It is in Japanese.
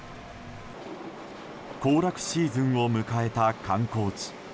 行楽シーズンを迎えた観光地。